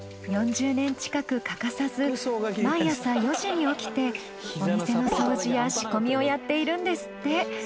４０年近く欠かさず毎朝４時に起きてお店の掃除や仕込みをやっているんですって。